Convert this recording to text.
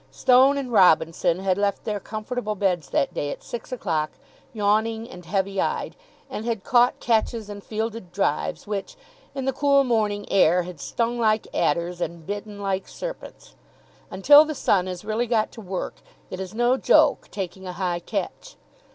Stone and Robinson had left their comfortable beds that day at six o'clock, yawning and heavy eyed, and had caught catches and fielded drives which, in the cool morning air, had stung like adders and bitten like serpents. Until the sun has really got to work, it is no joke taking a high catch.